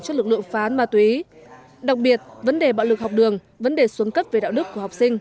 cho lực lượng phán ma túy đặc biệt vấn đề bạo lực học đường vấn đề xuống cấp về đạo đức của học sinh